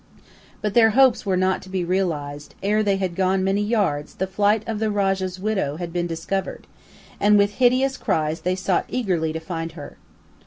But their hopes were not to be realized; ere they had gone many yards, the flight of the rajah's widow had been discovered, and with hideous cries they sought eagerly to find her.